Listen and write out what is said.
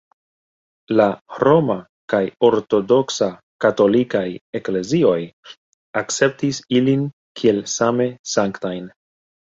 La Roma kaj Ortodoksa katolikaj eklezioj akceptis ilin kiel same sanktajn.